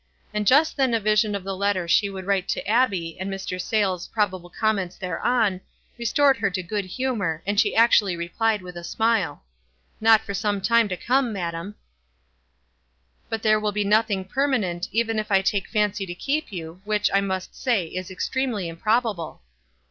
And just Ih«jh a vision of the letter she would write to Abbin;, and Mr. Sayles' probable comments thereon, restored her to good humor, and she actually replied with a smile, — "Not for some time to come, madam." 304 WISE AND OTHERWISE. "But there will be nothing permanent, even if I take a fancy to keep you, which, I must say, is extremely improbable."